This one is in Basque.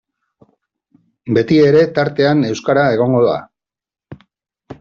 Betiere tartean euskara egongo da.